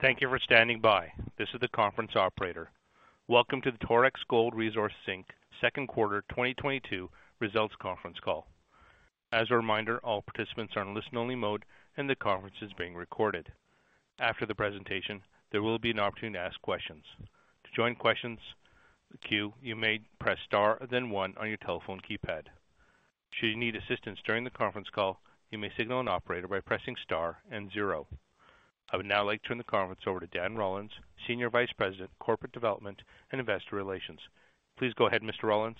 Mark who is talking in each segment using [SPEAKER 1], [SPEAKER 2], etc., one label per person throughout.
[SPEAKER 1] Thank you for standing by. This is the conference operator. Welcome to the Torex Gold Resources Inc. Second Quarter 2022 Results Conference Call. As a reminder, all participants are in listen-only mode, and the conference is being recorded. After the presentation, there will be an opportunity to ask questions. To join the question queue, you may press star, then one on your telephone keypad. Should you need assistance during the conference call, you may signal an operator by pressing star and zero. I would now like to turn the conference over to Dan Rollins, Senior Vice President, Corporate Development and Investor Relations. Please go ahead, Mr. Rollins.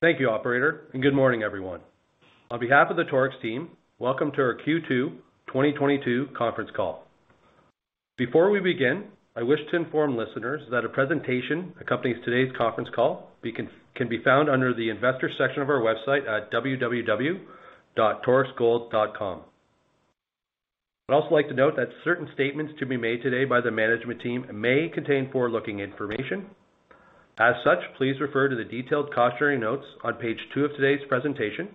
[SPEAKER 2] Thank you, operator, and good morning, everyone. On behalf of the Torex team, welcome to our Q2 2022 conference call. Before we begin, I wish to inform listeners that a presentation accompanying today's conference call can be found under the Investor section of our website at www.torexgold.com. I'd also like to note that certain statements to be made today by the management team may contain forward-looking information. As such, please refer to the detailed cautionary notes on page two of today's presentation,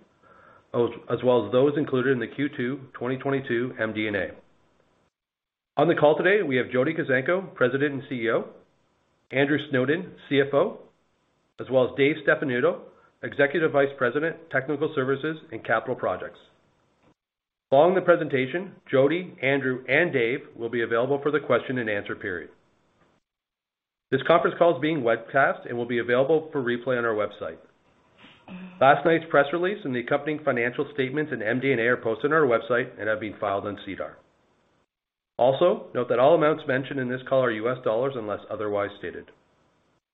[SPEAKER 2] as well as those included in the Q2 2022 MD&A. On the call today, we have Jody Kuzenko, President and CEO, Andrew Snowden, CFO, as well as Dave Stefanuto, Executive Vice President, Technical Services and Capital Projects. Following the presentation, Jody, Andrew, and Dave will be available for the Q&A period. This conference call is being webcast and will be available for replay on our website. Last night's press release and the accompanying financial statements in MD&A are posted on our website and have been filed on SEDAR. Also, note that all amounts mentioned in this call are U.S. dollars unless otherwise stated.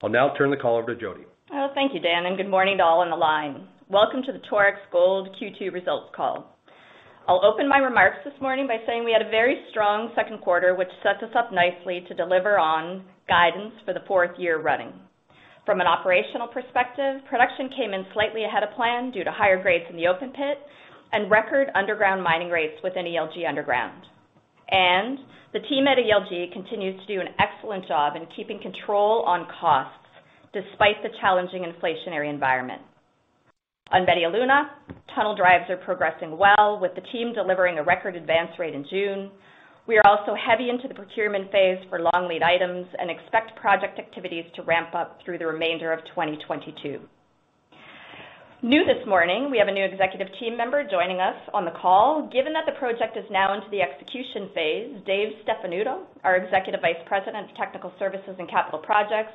[SPEAKER 2] I'll now turn the call over to Jody.
[SPEAKER 3] Oh, thank you, Dan, and good morning to all on the line. Welcome to the Torex Gold Q2 results call. I'll open my remarks this morning by saying we had a very strong second quarter, which sets us up nicely to deliver on guidance for the fourth year running. From an operational perspective, production came in slightly ahead of plan due to higher grades in the open pit and record underground mining rates within ELG Underground. The team at ELG continues to do an excellent job in keeping control on costs despite the challenging inflationary environment. On Media Luna, tunnel drives are progressing well, with the team delivering a record advance rate in June. We are also heavy into the procurement phase for long lead items and expect project activities to ramp up through the remainder of 2022. New this morning, we have a new executive team member joining us on the call. Given that the project is now into the execution phase, Dave Stefanuto, our Executive Vice President of Technical Services and Capital Projects,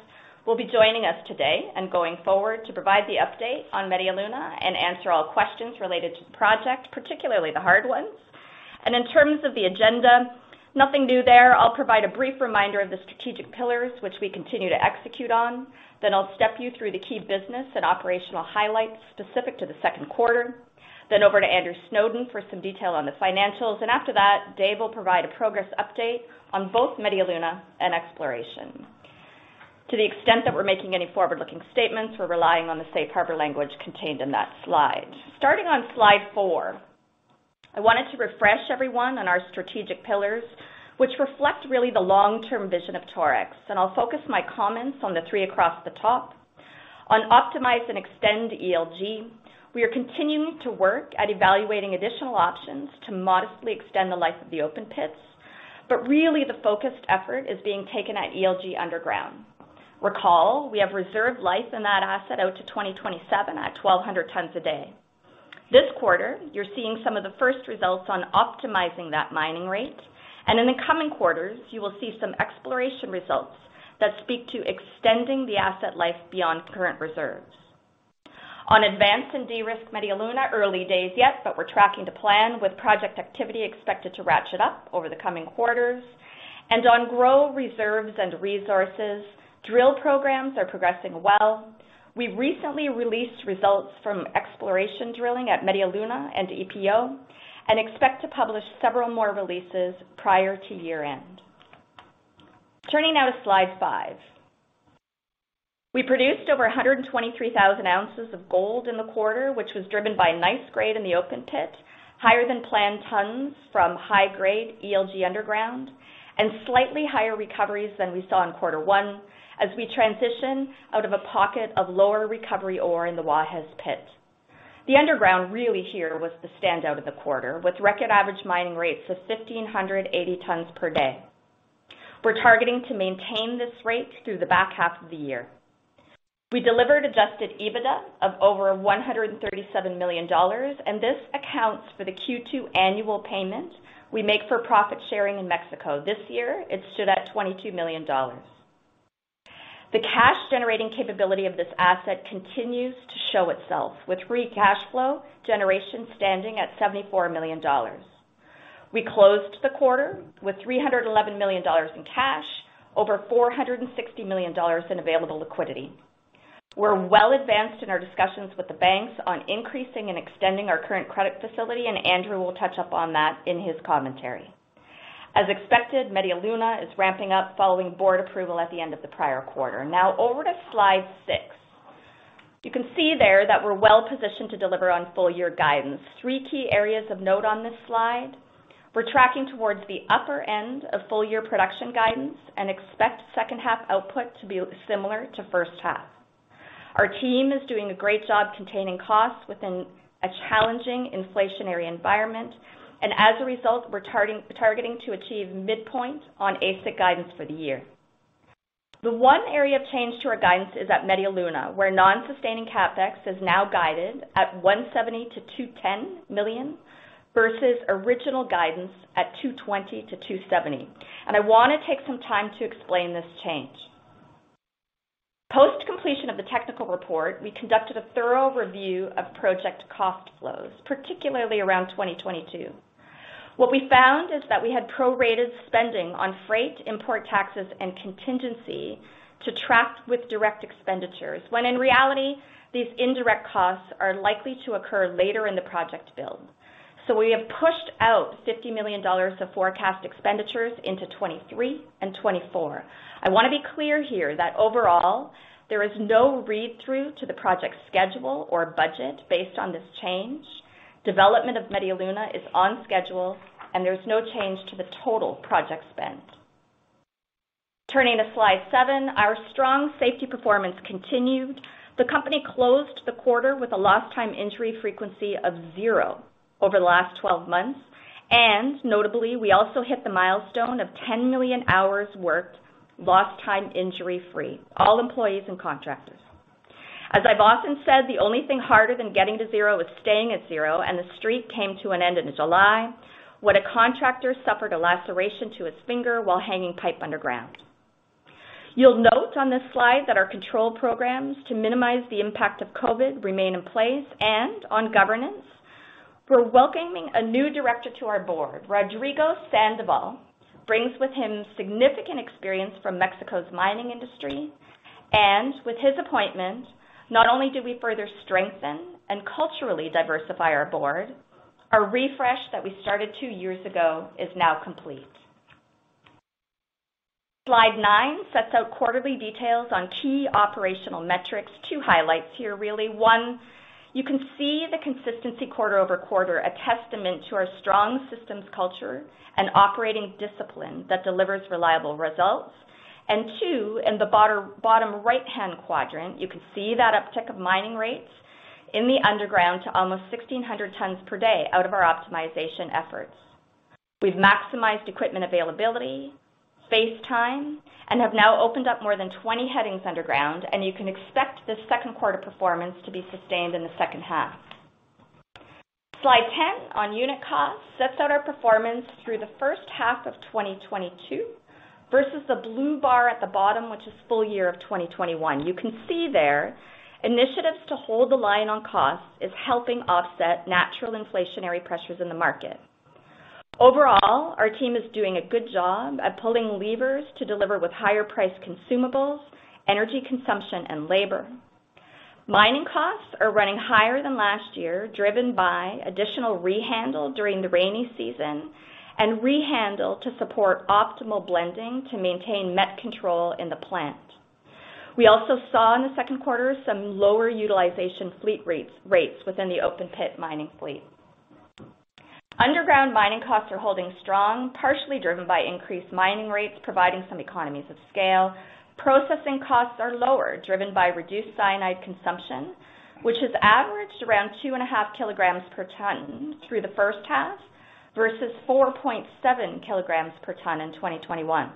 [SPEAKER 3] will be joining us today and going forward to provide the update on Media Luna and answer all questions related to the project, particularly the hard ones. In terms of the agenda, nothing new there. I'll provide a brief reminder of the strategic pillars, which we continue to execute on. I'll step you through the key business and operational highlights specific to the second quarter, then over to Andrew Snowden for some detail on the financials. After that, Dave will provide a progress update on both Media Luna and exploration. To the extent that we're making any forward-looking statements, we're relying on the safe harbor language contained in that slide. Starting on slide 4four, I wanted to refresh everyone on our strategic pillars, which reflect really the long-term vision of Torex, and I'll focus my comments on the three across the top. On optimize and extend ELG, we are continuing to work at evaluating additional options to modestly extend the life of the open pits, but really the focused effort is being taken at ELG Underground. Recall, we have reserve life in that asset out to 2027 at 1200 tons a day. This quarter, you're seeing some of the first results on optimizing that mining rate, and in the coming quarters, you will see some exploration results that speak to extending the asset life beyond current reserves. On advance and de-risk Media Luna, early days yet, but we're tracking to plan with project activity expected to ratchet up over the coming quarters. On grow reserves and resources, drill programs are progressing well. We recently released results from exploration drilling at Media Luna and EPO and expect to publish several more releases prior to year-end. Turning now to slide five. We produced over 123,000 ounces of gold in the quarter, which was driven by nice grade in the open pit, higher than planned tons from high-grade ELG Underground, and slightly higher recoveries than we saw in quarter one as we transition out of a pocket of lower recovery ore in the Guajes pit. The underground really here was the standout of the quarter, with record average mining rates of 1,580 tons per day. We're targeting to maintain this rate through the back half of the year. We delivered adjusted EBITDA of over $137 million, and this accounts for the Q2 annual payment we make for profit-sharing in Mexico. This year, it stood at $22 million. The cash-generating capability of this asset continues to show itself, with free cash flow generation standing at $74 million. We closed the quarter with $311 million in cash, over $460 million in available liquidity. We're well advanced in our discussions with the banks on increasing and extending our current credit facility, and Andrew will touch on that in his commentary. As expected, Media Luna is ramping up following board approval at the end of the prior quarter. Now over to slide six. You can see there that we're well positioned to deliver on full-year guidance. Three key areas of note on this slide. We're tracking towards the upper end of full-year production guidance and expect second half output to be similar to first half. Our team is doing a great job containing costs within a challenging inflationary environment. As a result, we're targeting to achieve midpoint on AISC guidance for the year. The one area of change to our guidance is at Media Luna, where non-sustaining CapEx is now guided at $170 million-$210 million versus original guidance at $220 million-$270 million. I wanna take some time to explain this change. Post completion of the technical report, we conducted a thorough review of project cost flows, particularly around 2022. What we found is that we had prorated spending on freight, import taxes, and contingency to track with direct expenditures, when in reality, these indirect costs are likely to occur later in the project build. We have pushed out $50 million of forecast expenditures into 2023 and 2024. I wanna be clear here that overall, there is no read-through to the project schedule or budget based on this change. Development of Media Luna is on schedule, and there's no change to the total project spend. Turning to slide seven, our strong safety performance continued. The company closed the quarter with a lost time injury frequency of zero over the last 12 months. Notably, we also hit the milestone of 10 million hours worked lost time, injury-free, all employees and contractors. As I've often said, the only thing harder than getting to zero is staying at zero, and the streak came to an end in July, when a contractor suffered a laceration to his finger while hanging pipe underground. You'll note on this slide that our control programs to minimize the impact of COVID remain in place. On governance, we're welcoming a new director to our board. Rodrigo Sandoval brings with him significant experience from Mexico's mining industry. With his appointment, not only do we further strengthen and culturally diversify our board, our refresh that we started two years ago is now complete. Slide nine sets out quarterly details on key operational metrics. Two highlights here, really. One, you can see the consistency quarter-over-quarter, a testament to our strong systems culture and operating discipline that delivers reliable results. Two, in the bottom right-hand quadrant, you can see that uptick of mining rates in the underground to almost 1,600 tons per day out of our optimization efforts. We've maximized equipment availability, space time, and have now opened up more than 20 headings underground, and you can expect the second quarter performance to be sustained in the second half. Slide 10 on unit costs sets out our performance through the first half of 2022 versus the blue bar at the bottom, which is full year of 2021. You can see there initiatives to hold the line on costs is helping offset natural inflationary pressures in the market. Overall, our team is doing a good job at pulling levers to deliver with higher priced consumables, energy consumption, and labor. Mining costs are running higher than last year, driven by additional rehandle during the rainy season and rehandle to support optimal blending to maintain met control in the plant. We also saw in the second quarter some lower utilization fleet rates within the open pit mining fleet. Underground mining costs are holding strong, partially driven by increased mining rates, providing some economies of scale. Processing costs are lower, driven by reduced cyanide consumption, which has averaged around 2.5 kg per ton through the first half versus 4.7 kg per ton in 2021.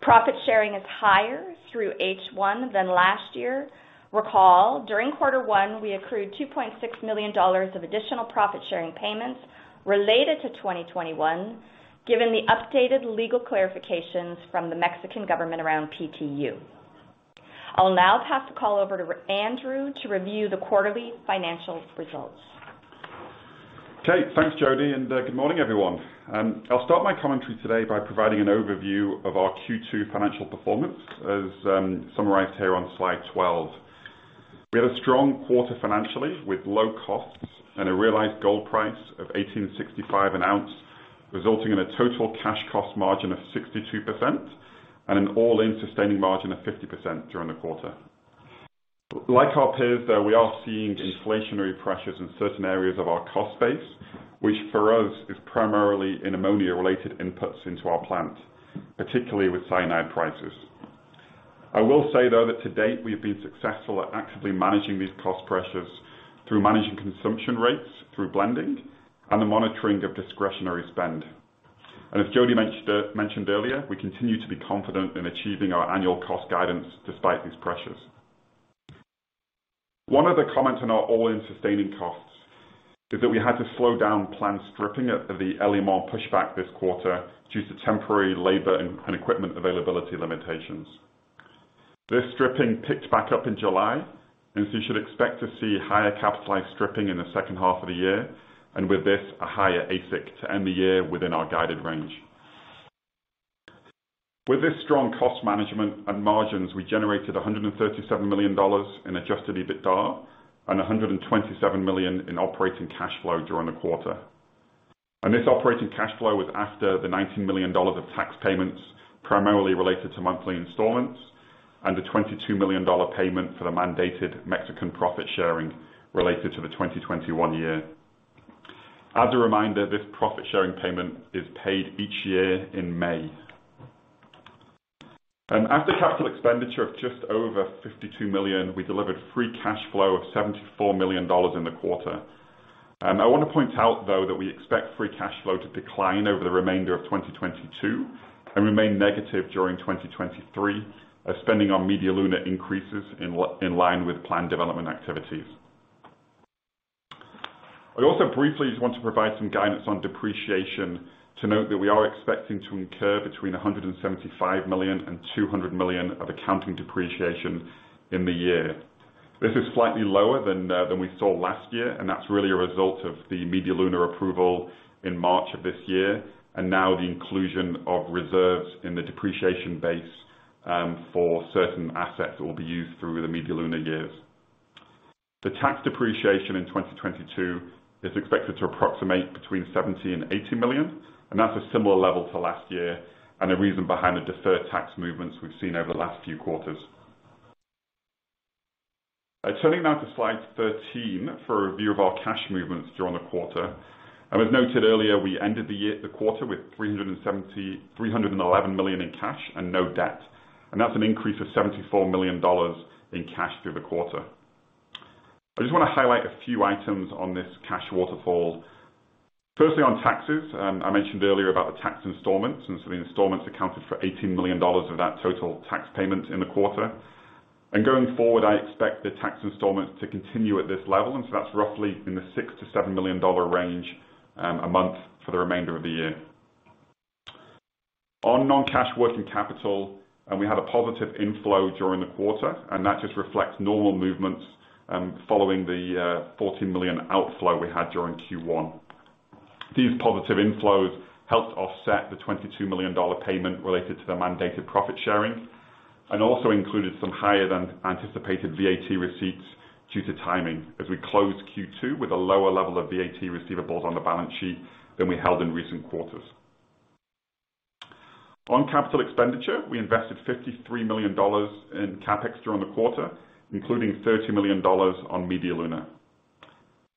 [SPEAKER 3] Profit sharing is higher through H1 than last year. Recall, during quarter one, we accrued $2.6 million of additional profit sharing payments related to 2021, given the updated legal clarifications from the Mexican government around PTU. I'll now pass the call over to Andrew to review the quarterly financial results.
[SPEAKER 4] Okay. Thanks, Jody, and good morning, everyone. I'll start my commentary today by providing an overview of our Q2 financial performance as summarized here on slide 12. We had a strong quarter financially with low costs and a realized gold price of $1,865 an ounce, resulting in a total cash cost margin of 62% and an all-in sustaining margin of 50% during the quarter. Like our peers, though, we are seeing inflationary pressures in certain areas of our cost base, which for us is primarily in ammonia-related inputs into our plant, particularly with cyanide prices. I will say, though, that to date, we have been successful at actively managing these cost pressures through managing consumption rates through blending and the monitoring of discretionary spend. As Jody mentioned earlier, we continue to be confident in achieving our annual cost guidance despite these pressures. One other comment on our all-in sustaining costs is that we had to slow down pit stripping at the El Limón pushback this quarter due to temporary labor and equipment availability limitations. This stripping picked back up in July, and so you should expect to see higher capitalized stripping in the second half of the year, and with this, a higher AISC to end the year within our guided range. With this strong cost management and margins, we generated $137 million in adjusted EBITDA and $127 million in operating cash flow during the quarter. This operating cash flow was after the $19 million of tax payments primarily related to monthly installments and a $22 million payment for the mandated Mexican profit sharing related to the 2021 year. As a reminder, this profit-sharing payment is paid each year in May. After capital expenditure of just over $52 million, we delivered free cash flow of $74 million in the quarter. I wanna point out though, that we expect free cash flow to decline over the remainder of 2022 and remain negative during 2023 as spending on Media Luna increases in line with planned development activities. I also briefly just want to provide some guidance on depreciation to note that we are expecting to incur between $175 million and $200 million of accounting depreciation in the year. This is slightly lower than we saw last year, and that's really a result of the Media Luna approval in March of this year, and now the inclusion of reserves in the depreciation base for certain assets that will be used through the Media Luna years. The tax depreciation in 2022 is expected to approximate between $70 million and $80 million, and that's a similar level to last year and the reason behind the deferred tax movements we've seen over the last few quarters. Turning now to slide 13 for a view of our cash movements during the quarter. As noted earlier, we ended the quarter with $311 million in cash and no debt, and that's an increase of $74 million in cash through the quarter. I just wanna highlight a few items on this cash waterfall. Firstly, on taxes, I mentioned earlier about the tax installments, and so the installments accounted for $18 million of that total tax payment in the quarter. Going forward, I expect the tax installments to continue at this level, that's roughly in the $6 million-$7 million range a month for the remainder of the year. On non-cash working capital, we had a positive inflow during the quarter, that just reflects normal movements following the $14 million outflow we had during Q1. These positive inflows helped offset the $22 million payment related to the mandated profit sharing and also included some higher than anticipated VAT receipts due to timing as we closed Q2 with a lower level of VAT receivables on the balance sheet than we held in recent quarters. On capital expenditure, we invested $53 million in CapEx during the quarter, including $30 million on Media Luna.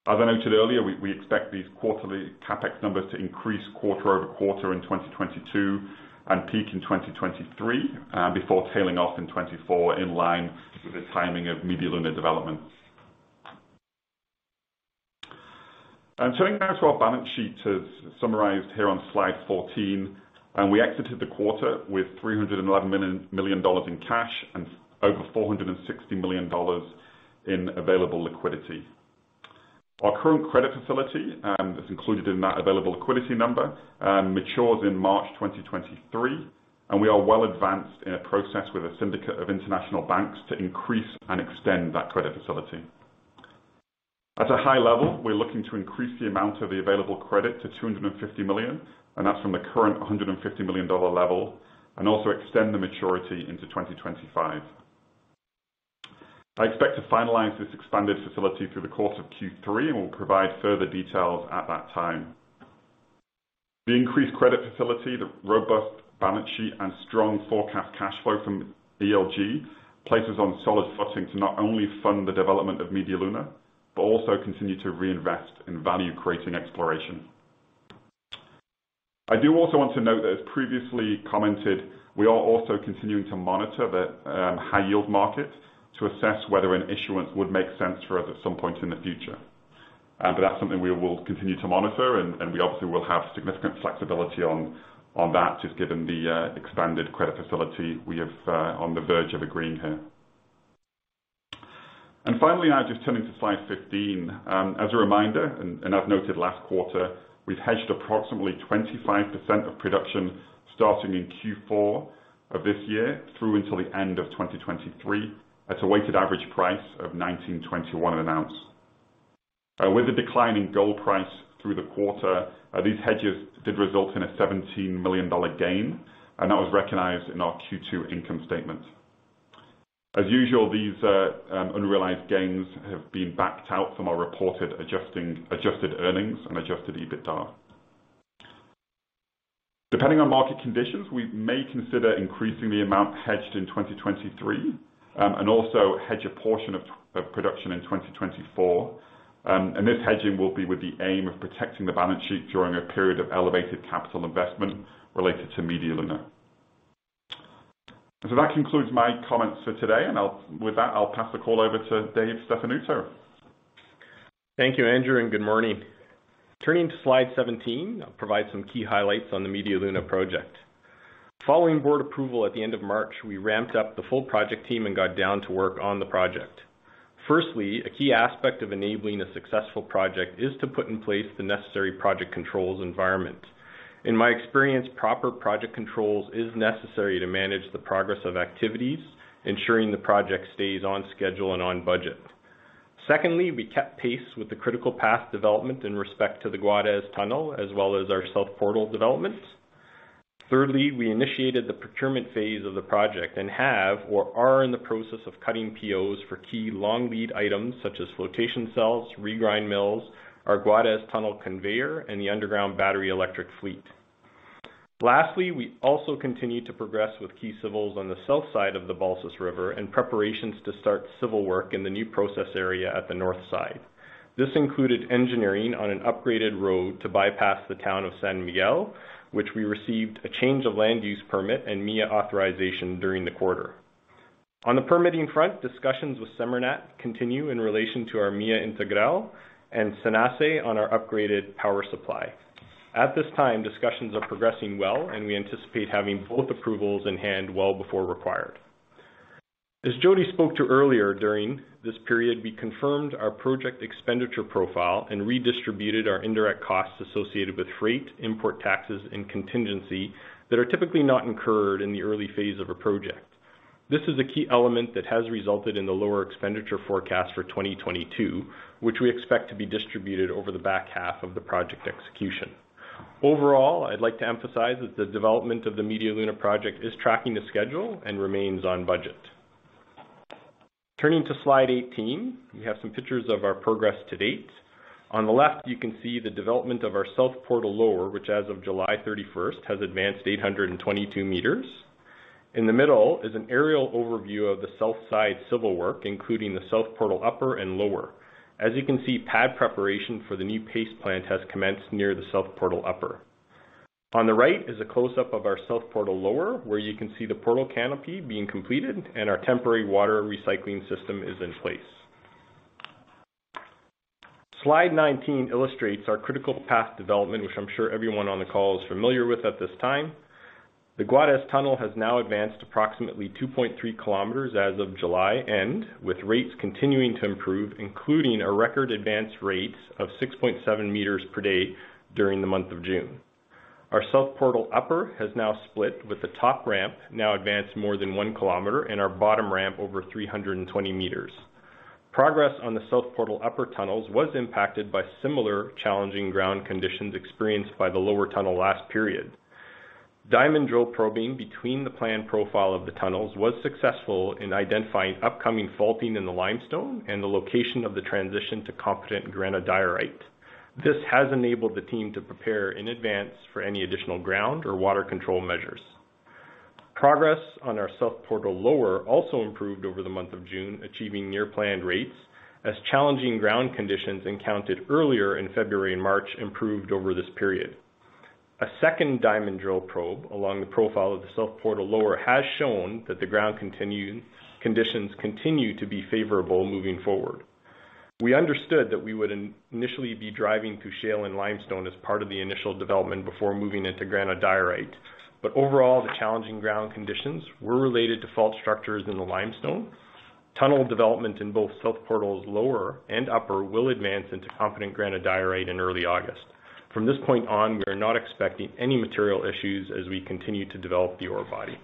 [SPEAKER 4] As I noted earlier, we expect these quarterly CapEx numbers to increase quarter-over-quarter in 2022 and peak in 2023, before tailing off in 2024 in line with the timing of Media Luna development. Turning now to our balance sheet as summarized here on slide 14, we exited the quarter with $311 million in cash and over $460 million in available liquidity. Our current credit facility, that's included in that available liquidity number, matures in March 2023, and we are well advanced in a process with a syndicate of international banks to increase and extend that credit facility. At a high level, we're looking to increase the amount of the available credit to $250 million, and that's from the current $150 million level, and also extend the maturity into 2025. I expect to finalize this expanded facility through the course of Q3, and we'll provide further details at that time. The increased credit facility, the robust balance sheet, and strong forecast cash flow from ELG places on solid footing to not only fund the development of Media Luna, but also continue to reinvest in value-creating exploration. I do also want to note that as previously commented, we are also continuing to monitor the high-yield market to assess whether an issuance would make sense for us at some point in the future. That's something we will continue to monitor and we obviously will have significant flexibility on that, just given the expanded credit facility we have on the verge of agreeing here. Finally, now just turning to slide 15. As a reminder, I've noted last quarter, we've hedged approximately 25% of production starting in Q4 of this year through until the end of 2023 at a weighted average price of $1,921 an ounce. With the decline in gold price through the quarter, these hedges did result in a $17 million gain, and that was recognized in our Q2 income statement. As usual, these unrealized gains have been backed out from our reported adjusted earnings and adjusted EBITDA. Depending on market conditions, we may consider increasing the amount hedged in 2023, and also hedge a portion of production in 2024. This hedging will be with the aim of protecting the balance sheet during a period of elevated capital investment related to Media Luna. That concludes my comments for today. With that, I'll pass the call over to Dave Stefanuto.
[SPEAKER 5] Thank you, Andrew, and good morning. Turning to slide 17, I'll provide some key highlights on the Media Luna Project. Following board approval at the end of March, we ramped up the full project team and got down to work on the project. Firstly, a key aspect of enabling a successful project is to put in place the necessary project controls environment. In my experience, proper project controls is necessary to manage the progress of activities, ensuring the project stays on schedule and on budget. Secondly, we kept pace with the critical path development in respect to the Guajes Tunnel, as well as our South Portal developments. Thirdly, we initiated the procurement phase of the project and have or are in the process of cutting POs for key long lead items such as flotation cells, regrind mills, our Guajes Tunnel conveyor, and the underground battery electric fleet. Lastly, we also continue to progress with key civils on the south side of the Balsas River and preparations to start civil work in the new process area at the north side. This included engineering on an upgraded road to bypass the town of San Miguel, which we received a change of land use permit and MIA authorization during the quarter. On the permitting front, discussions with SEMARNAT continue in relation to our MIA Integral and CENACE on our upgraded power supply. At this time, discussions are progressing well, and we anticipate having both approvals in hand well before required. As Jody spoke to earlier, during this period, we confirmed our project expenditure profile and redistributed our indirect costs associated with freight, import taxes, and contingency that are typically not incurred in the early phase of a project. This is a key element that has resulted in the lower expenditure forecast for 2022, which we expect to be distributed over the back half of the project execution. Overall, I'd like to emphasize that the development of the Media Luna project is tracking to schedule and remains on budget. Turning to slide 18, we have some pictures of our progress to date. On the left, you can see the development of our South Portal Lower, which as of July 31st, has advanced 822 meters. In the middle is an aerial overview of the south side civil work, including the South Portal Upper and Lower. As you can see, pad preparation for the new paste plant has commenced near the South Portal Upper. On the right is a close-up of our South Portal Lower, where you can see the portal canopy being completed and our temporary water recycling system is in place. Slide 19 illustrates our critical path development, which I'm sure everyone on the call is familiar with at this time. The Guajes Tunnel has now advanced approximately 2.3 km as of July end, with rates continuing to improve, including a record advanced rate of 6.7 meters per day during the month of June. Our South Portal Upper has now split, with the top ramp now advanced more than 1 km and our bottom ramp over 320 meters. Progress on the South Portal Upper tunnels was impacted by similar challenging ground conditions experienced by the lower tunnel last period. Diamond drill probing between the planned profile of the tunnels was successful in identifying upcoming faulting in the limestone and the location of the transition to competent granodiorite. This has enabled the team to prepare in advance for any additional ground or water control measures. Progress on our South Portal Lower also improved over the month of June, achieving near planned rates as challenging ground conditions encountered earlier in February and March improved over this period. A second diamond drill probe along the profile of the South Portal Lower has shown that the ground conditions continue to be favorable moving forward. We understood that we would initially be driving through shale and limestone as part of the initial development before moving into granodiorite. Overall, the challenging ground conditions were related to fault structures in the limestone. Tunnel development in both South Portals Lower and Upper will advance into competent granodiorite in early August. From this point on, we are not expecting any material issues as we continue to develop the ore body.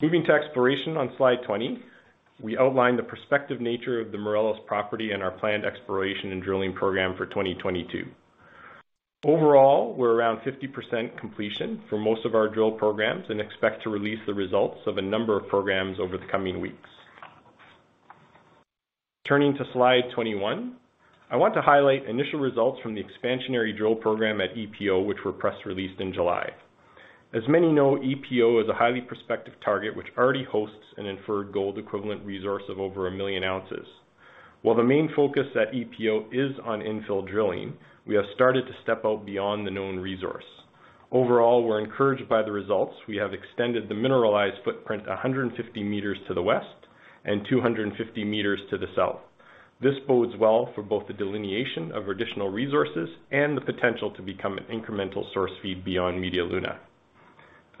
[SPEAKER 5] Moving to exploration on slide 20, we outlined the prospective nature of the Morelos property and our planned exploration and drilling program for 2022. Overall, we're around 50% completion for most of our drill programs and expect to release the results of a number of programs over the coming weeks. Turning to slide 21, I want to highlight initial results from the expansionary drill program at EPO, which were press released in July. As many know, EPO is a highly prospective target which already hosts an inferred gold equivalent resource of over 1 million ounces. While the main focus at ELG is on infill drilling, we have started to step out beyond the known resource. Overall, we're encouraged by the results. We have extended the mineralized footprint 150 meters to the west and 250 meters to the south. This bodes well for both the delineation of additional resources and the potential to become an incremental source feed beyond Media Luna.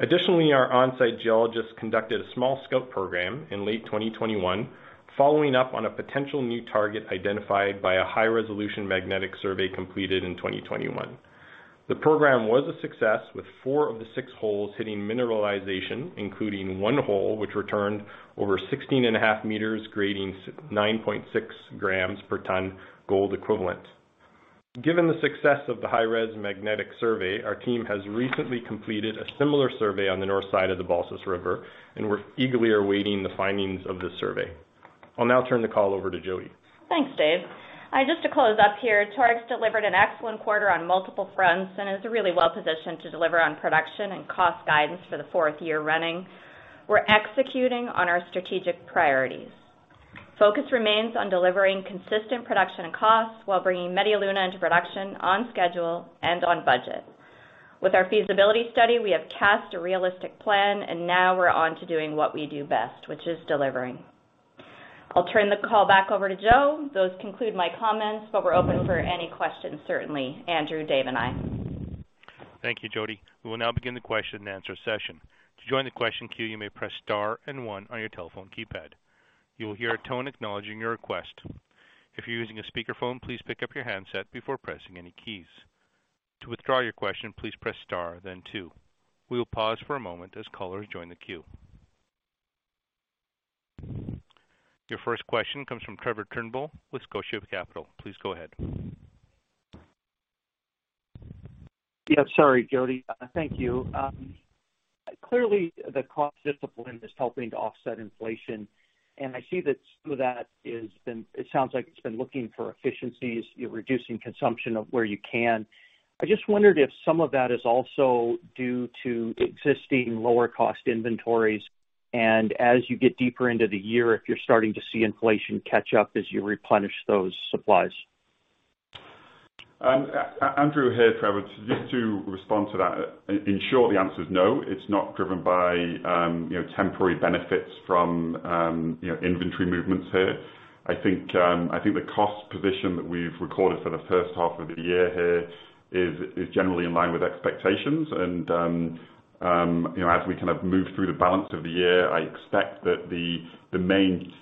[SPEAKER 5] Additionally, our on-site geologists conducted a small scout program in late 2021, following up on a potential new target identified by a high-resolution magnetic survey completed in 2021. The program was a success with four of the six holes hitting mineralization, including one hole which returned over 16.5 meters, grading 9.6 grams per ton gold equivalent. Given the success of the high-res magnetic survey, our team has recently completed a similar survey on the north side of the Balsas River, and we're eagerly awaiting the findings of this survey. I'll now turn the call over to Jody.
[SPEAKER 3] Thanks, Dave. Just to close up here, Torex delivered an excellent quarter on multiple fronts and is really well positioned to deliver on production and cost guidance for the fourth year running. We're executing on our strategic priorities. Focus remains on delivering consistent production and costs while bringing Media Luna into production on schedule and on budget. With our feasibility study, we have cast a realistic plan, and now we're on to doing what we do best, which is delivering. I'll turn the call back over to Joe. That concludes my comments, but we're open for any questions, certainly, Andrew, Dave, and I.
[SPEAKER 1] Thank you, Jody. We will now begin the Q&A session. To join the question queue, you may press star and one on your telephone keypad. You will hear a tone acknowledging your request. If you're using a speakerphone, please pick up your handset before pressing any keys. To withdraw your question, please press star, then two. We will pause for a moment as callers join the queue. Your first question comes from Trevor Turnbull with Scotia Capital. Please go ahead.
[SPEAKER 6] Yeah. Sorry, Jody. Thank you. Clearly the cost discipline is helping to offset inflation. I see that some of that has been. It sounds like it's been looking for efficiencies, you're reducing consumption wherever you can. I just wondered if some of that is also due to existing lower cost inventories, and as you get deeper into the year, if you're starting to see inflation catch up as you replenish those supplies.
[SPEAKER 4] Andrew here, Trevor. Just to respond to that, in short, the answer is no, it's not driven by, you know, temporary benefits from, you know, inventory movements here. I think the cost position that we've recorded for the first half of the year here is generally in line with expectations. I expect that the main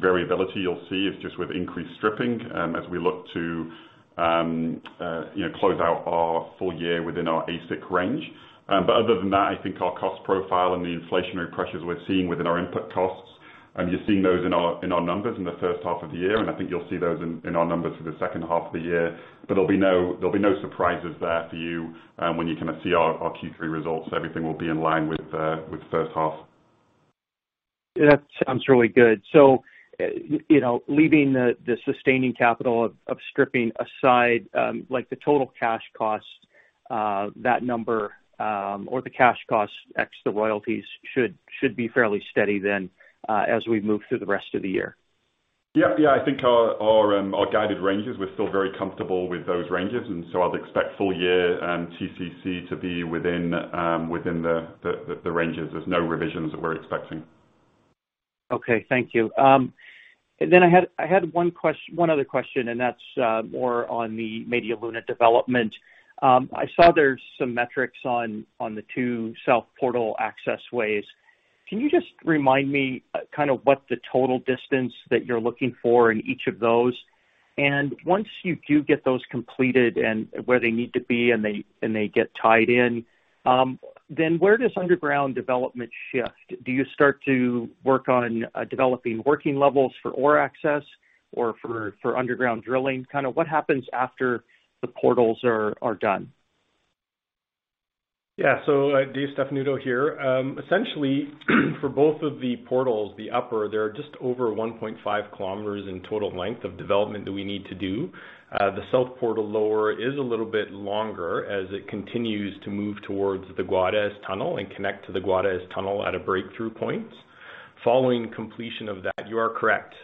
[SPEAKER 4] variability you'll see is just with increased stripping, as we look to, you know, close out our full year within our AISC range. Other than that, I think our cost profile and the inflationary pressures we're seeing within our input costs, and you're seeing those in our numbers in the first half of the year, and I think you'll see those in our numbers for the second half of the year. There'll be no surprises there for you when you kind of see our Q3 results. Everything will be in line with the first half.
[SPEAKER 6] That sounds really good. You know, leaving the sustaining capital of stripping aside, like the total cash cost, that number, or the cash costs ex royalties should be fairly steady then, as we move through the rest of the year.
[SPEAKER 4] Yeah. I think our guided ranges, we're still very comfortable with those ranges, and so I'd expect full year and TCC to be within the ranges. There's no revisions that we're expecting.
[SPEAKER 6] Okay. Thank you. I had one other question, that's more on the Media Luna development. I saw there's some metrics on the two South Portal access ways. Can you just remind me, kind of what the total distance that you're looking for in each of those? Once you do get those completed and where they need to be and they get tied in, where does underground development shift? Do you start to work on developing working levels for ore access or for underground drilling? Kind of, what happens after the portals are done?
[SPEAKER 5] Dave Stefanuto here. Essentially, for both of the portals, the upper, they're just over 1.5 km in total length of development that we need to do. The South Portal Lower is a little bit longer as it continues to move towards the Guajes tunnel and connect to the Guajes tunnel at a breakthrough point. Following completion of that, you are correct.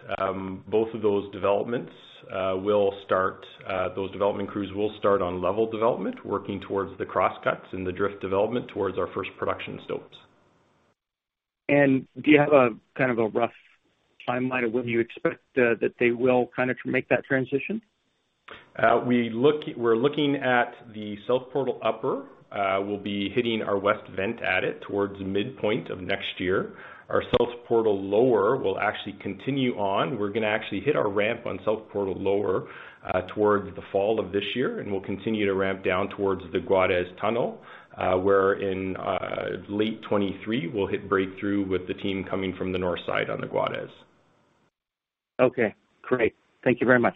[SPEAKER 5] Both of those developments will start on level development, working towards the cross cuts and the drift development towards our first production stopes.
[SPEAKER 6] Do you have a kind of a rough timeline of when you expect that they will kinda make that transition?
[SPEAKER 5] We're looking at the South Portal Upper will be hitting our West vent at it towards midpoint of next year. Our South Portal Lower will actually continue on. We're gonna actually hit our ramp on South Portal Lower towards the fall of this year, and we'll continue to ramp down towards the Guajes Tunnel, where in late 2023, we'll hit breakthrough with the team coming from the north side on the Guajes.
[SPEAKER 6] Okay. Great. Thank you very much.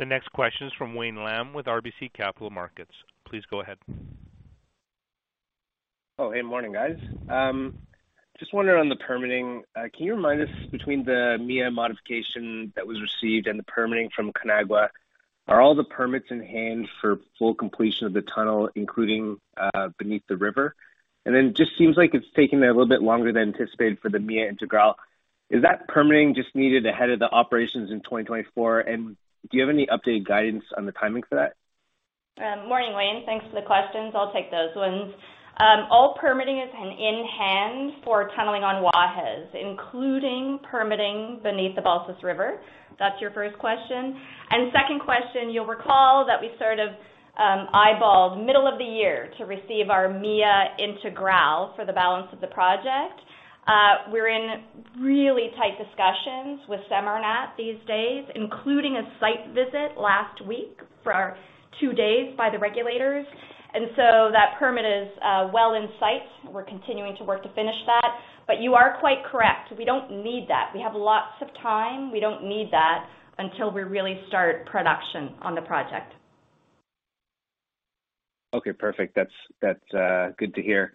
[SPEAKER 1] The next question is from Wayne Lam with RBC Capital Markets. Please go ahead.
[SPEAKER 7] Oh, hey, morning, guys. Just wondering on the permitting, can you remind us between the MIA modification that was received and the permitting from CONAGUA, are all the permits in hand for full completion of the tunnel, including beneath the river? Just seems like it's taking a little bit longer than anticipated for the MIA Integral. Is that permitting just needed ahead of the operations in 2024? Do you have any updated guidance on the timing for that?
[SPEAKER 3] Morning, Wayne. Thanks for the questions. I'll take those ones. All permitting is in hand for tunneling on Guajes, including permitting beneath the Balsas River. That's your first question. Second question, you'll recall that we sort of eyeballed middle of the year to receive our MIA Integral for the balance of the project. We're in really tight discussions with SEMARNAT these days, including a site visit last week for two days by the regulators. That permit is well in sight. We're continuing to work to finish that. But you are quite correct. We don't need that. We have lots of time. We don't need that until we really start production on the project.
[SPEAKER 7] Okay, perfect. That's good to hear.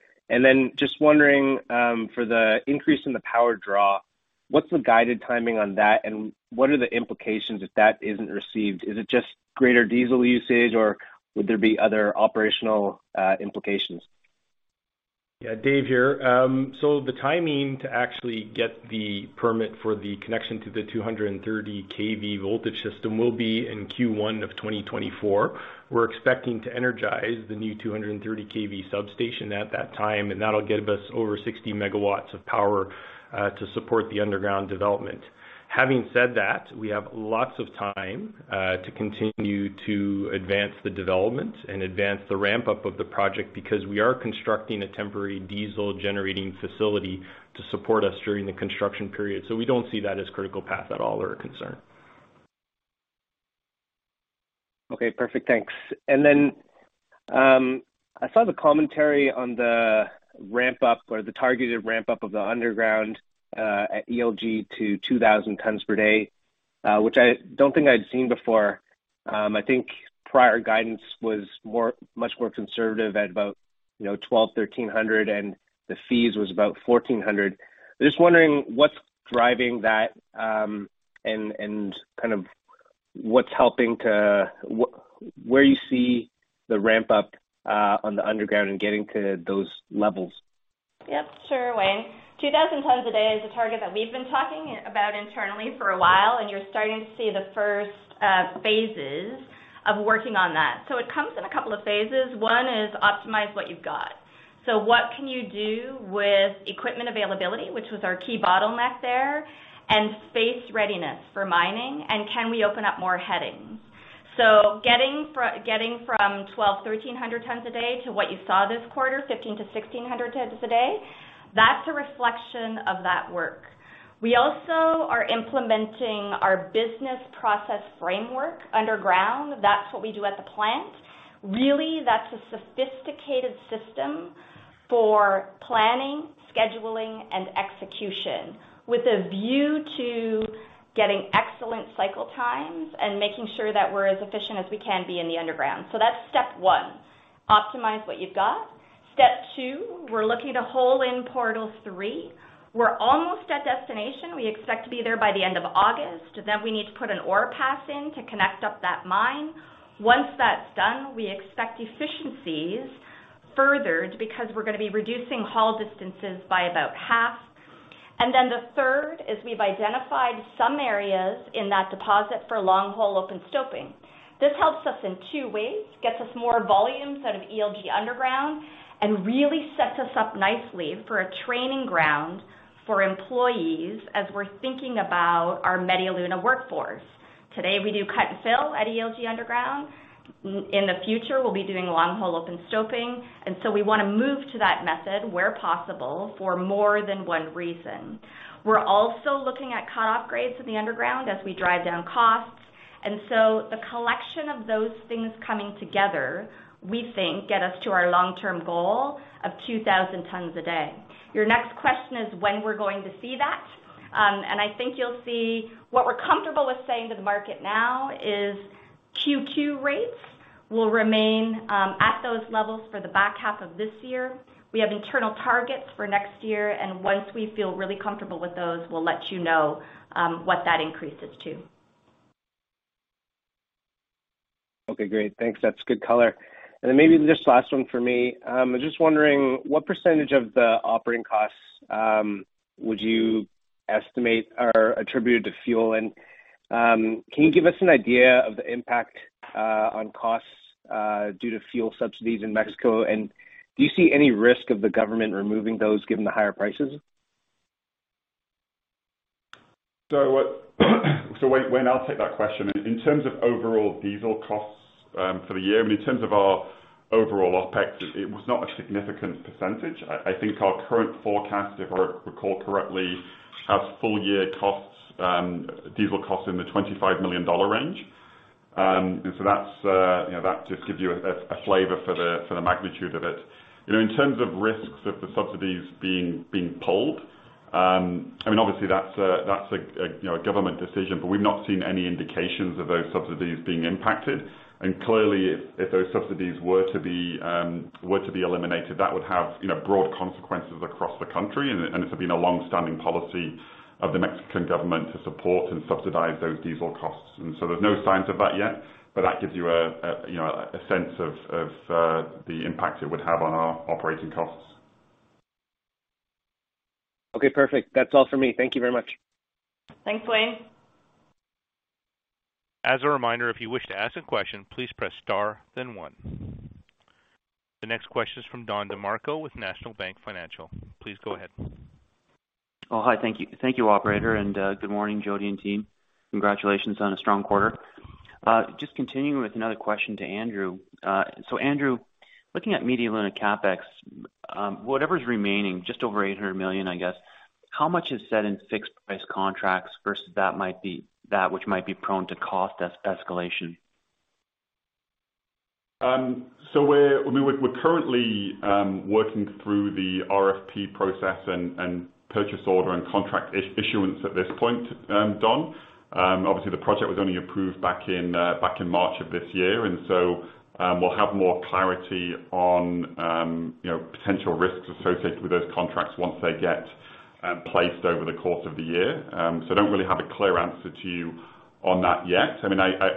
[SPEAKER 7] Just wondering, for the increase in the power draw, what's the guided timing on that and what are the implications if that isn't received? Is it just greater diesel usage or would there be other operational implications?
[SPEAKER 5] Yeah. Dave here. The timing to actually get the permit for the connection to the 230 KV voltage system will be in Q1 of 2024. We're expecting to energize the new 230 KV substation at that time, and that'll give us over 60 MW of power to support the underground development. Having said that, we have lots of time to continue to advance the development and advance the ramp-up of the project because we are constructing a temporary diesel generating facility to support us during the construction period. We don't see that as critical path at all or a concern.
[SPEAKER 7] Okay, perfect. Thanks. I saw the commentary on the ramp-up or the targeted ramp-up of the underground at ELG to 2,000 tons per day, which I don't think I'd seen before. I think prior guidance was more, much more conservative at about, you know, 1,200, 1,300, and the fees was about 1,400. Just wondering what's driving that, and kind of what's helping to where you see the ramp up on the underground and getting to those levels.
[SPEAKER 3] Yep, sure, Wayne. 2,000 tons a day is a target that we've been talking about internally for a while, and you're starting to see the first phases of working on that. It comes in a couple of phases. One is optimize what you've got. What can you do with equipment availability, which was our key bottleneck there, and space readiness for mining, and can we open up more headings? Getting from 1,200-1,300 tons a day to what you saw this quarter, 1,500-1,600 tons a day, that's a reflection of that work. We also are implementing our business process framework underground. That's what we do at the plant. Really, that's a sophisticated system for planning, scheduling, and execution with a view to getting excellent cycle times and making sure that we're as efficient as we can be in the underground. That's step one, optimize what you've got. Step two, we're looking to hole in portal three. We're almost at destination. We expect to be there by the end of August. We need to put an ore pass in to connect up that mine. Once that's done, we expect efficiencies furthered because we're gonna be reducing haul distances by about half. The third is we've identified some areas in that deposit for long-haul open stoping. This helps us in two ways, gets us more volumes out of ELG Underground, and really sets us up nicely for a training ground for employees as we're thinking about our Media Luna workforce. Today, we do cut and fill at ELG Underground. In the future, we'll be doing long-haul open stoping, and so we wanna move to that method where possible for more than one reason. We're also looking at cut upgrades in the underground as we drive down costs. The collection of those things coming together, we think get us to our long-term goal of 2,000 tons a day. Your next question is when we're going to see that. I think you'll see what we're comfortable with saying to the market now is Q2 rates will remain at those levels for the back half of this year. We have internal targets for next year, and once we feel really comfortable with those, we'll let you know what that increases to.
[SPEAKER 7] Okay, great. Thanks. That's good color. Maybe just last one for me. I'm just wondering what percentage of the operating costs would you estimate are attributed to fuel? Can you give us an idea of the impact on costs due to fuel subsidies in Mexico? Do you see any risk of the government removing those given the higher prices?
[SPEAKER 4] Wayne, I'll take that question. In terms of overall diesel costs, for the year, I mean, in terms of our overall OpEx, it was not a significant percentage. I think our current forecast, if I recall correctly, has full-year costs, diesel costs in the $25 million range. That's, you know, that just gives you a flavor for the magnitude of it. You know, in terms of risks of the subsidies being pulled, I mean, obviously that's a you know, a government decision, but we've not seen any indications of those subsidies being impacted. Clearly if those subsidies were to be eliminated, that would have, you know, broad consequences across the country, and it's been a long-standing policy of the Mexican government to support and subsidize those diesel costs. There's no signs of that yet, but that gives you a you know a sense of the impact it would have on our operating costs.
[SPEAKER 7] Okay, perfect. That's all for me. Thank you very much.
[SPEAKER 3] Thanks, Wayne.
[SPEAKER 1] As a reminder, if you wish to ask a question, please press star then one. The next question is from Don DeMarco with National Bank Financial. Please go ahead.
[SPEAKER 8] Oh, hi. Thank you. Thank you, operator, and good morning, Jody and team. Congratulations on a strong quarter. Just continuing with another question to Andrew. Andrew, looking at Media Luna CapEx, whatever's remaining, just over $800 million I guess, how much is set in fixed price contracts versus that which might be prone to cost escalation?
[SPEAKER 4] We're currently working through the RFP process and purchase order and contract issuance at this point, Don DeMarco. Obviously the project was only approved back in March of this year. We'll have more clarity on, you know, potential risks associated with those contracts once they get placed over the course of the year. I don't really have a clear answer to you on that yet.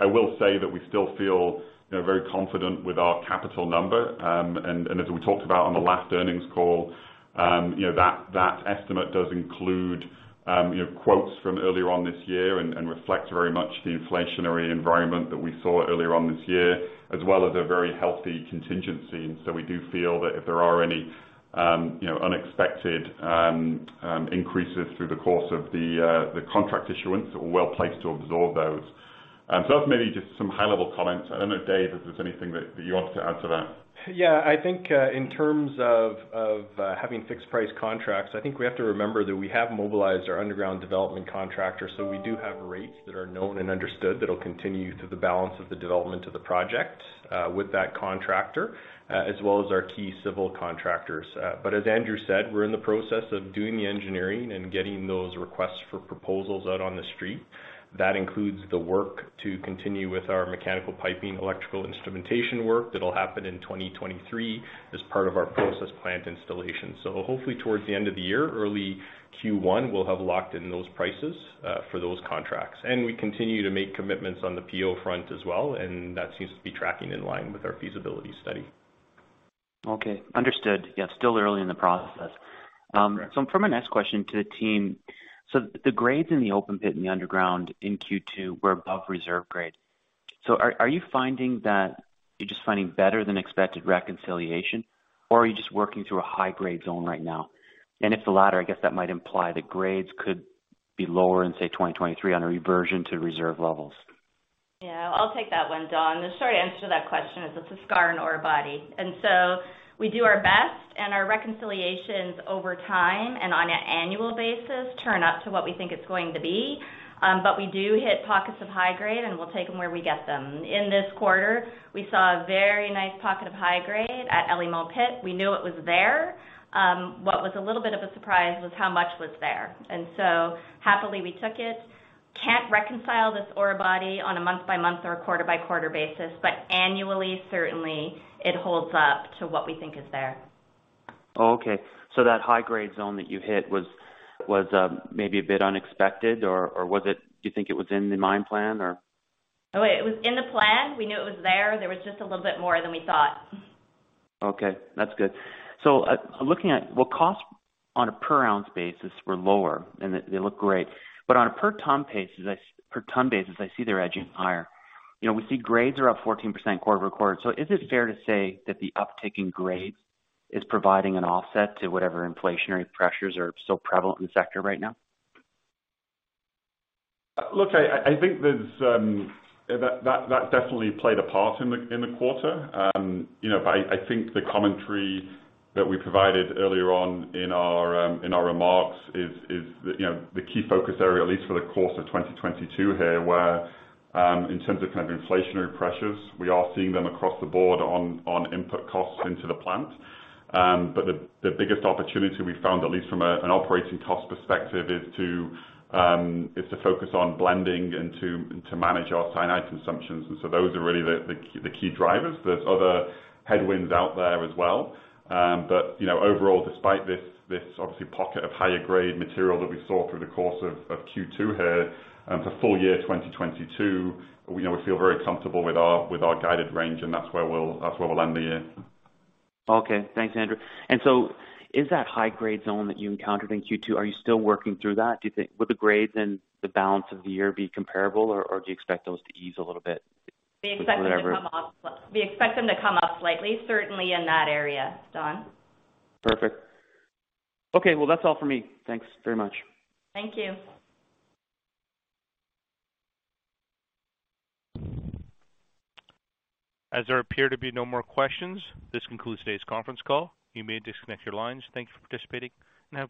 [SPEAKER 4] I will say that we still feel, you know, very confident with our capital number. As we talked about on the last earnings call, you know, that estimate does include you know, quotes from earlier on this year and reflects very much the inflationary environment that we saw earlier on this year, as well as a very healthy contingency. We do feel that if there are any unexpected increases through the course of the contract issuance, we're well-placed to absorb those. That's maybe just some high level comments. I don't know, Dave, if there's anything that you want to add to that.
[SPEAKER 5] Yeah. I think in terms of having fixed price contracts, I think we have to remember that we have mobilized our underground development contractor. We do have rates that are known and understood that'll continue through the balance of the development of the project with that contractor as well as our key civil contractors. As Andrew said, we're in the process of doing the engineering and getting those requests for proposals out on the street. That includes the work to continue with our mechanical piping, electrical instrumentation work that'll happen in 2023 as part of our process plant installation. Hopefully towards the end of the year, early Q1, we'll have locked in those prices for those contracts. We continue to make commitments on the PO front as well, and that seems to be tracking in line with our feasibility study.
[SPEAKER 8] Okay. Understood. Yeah, still early in the process. From my next question to the team, so the grades in the open pit in the underground in Q2 were above reserve grade. Are you finding that you're just finding better than expected reconciliation, or are you just working through a high grade zone right now? If the latter, I guess that might imply the grades could be lower in, say, 2023 on a reversion to reserve levels.
[SPEAKER 3] Yeah, I'll take that one, Don. The short answer to that question is it's a skarn ore body. We do our best, and our reconciliations over time and on an annual basis turn out to what we think it's going to be. We do hit pockets of high grade, and we'll take them where we get them. In this quarter, we saw a very nice pocket of high grade at El Limón pit. We knew it was there. What was a little bit of a surprise was how much was there. Happily, we took it. Can't reconcile this ore body on a month by month or a quarter by quarter basis, but annually, certainly it holds up to what we think is there.
[SPEAKER 8] Oh, okay. That high-grade zone that you hit was maybe a bit unexpected, or was it? Do you think it was in the mine plan or?
[SPEAKER 3] It was in the plan. We knew it was there. There was just a little bit more than we thought.
[SPEAKER 8] Okay, that's good. Looking at what costs on a per ounce basis were lower, and they look great. On a per ton basis, I see they're edging higher. You know, we see grades are up 14% quarter-over-quarter. Is it fair to say that the uptick in grade is providing an offset to whatever inflationary pressures are so prevalent in the sector right now?
[SPEAKER 4] Look, I think there's yeah, that definitely played a part in the quarter. You know, I think the commentary that we provided earlier on in our remarks is, you know, the key focus area, at least for the course of 2022 here, where in terms of kind of inflationary pressures, we are seeing them across the board on input costs into the plant. The biggest opportunity we found, at least from an operating cost perspective, is to focus on blending and to manage our cyanide consumptions. Those are really the key drivers. There's other headwinds out there as well. You know, overall, despite this obviously pocket of higher grade material that we saw through the course of Q2 here, for full year 2022, we now feel very comfortable with our guided range, and that's where we'll end the year.
[SPEAKER 8] Okay. Thanks, Andrew. Is that high grade zone that you encountered in Q2, are you still working through that? Do you think will the grades in the balance of the year be comparable, or do you expect those to ease a little bit whatever?
[SPEAKER 3] We expect them to come up slightly, certainly in that area, Don.
[SPEAKER 8] Perfect. Okay, well, that's all for me. Thanks very much.
[SPEAKER 3] Thank you.
[SPEAKER 1] As there appear to be no more questions, this concludes today's conference call. You may disconnect your lines. Thank you for participating and have a great day.